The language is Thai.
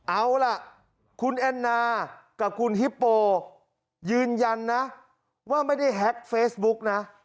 เอาล่ะคุณแอนนากับคุณฮิปโปยืนยันนะว่าไม่ได้แฮ็กเฟซบุ๊กนะ